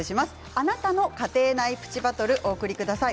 あなたの家庭内プチバトルをお送りください。